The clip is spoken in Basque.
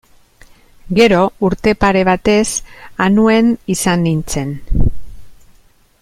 Gero, urte pare batez Anuen izan nintzen.